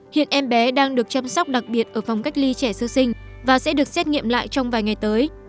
hiện em bé đang được chăm sóc đặc biệt ở phòng cách ly trẻ sơ sinh và sẽ được xét nghiệm lại trong vài ngày tới